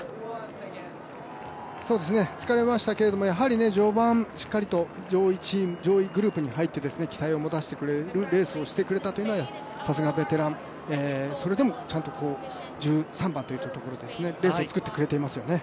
疲れましたけれどもやはり序盤しっかりと上位グループに入って、期待を持たせてくれるレースをしてくれたというのはさすがベテラン、それでもちゃんと１３番といったところでレースを作ってくれていますよね。